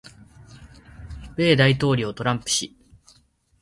米大統領トランプ氏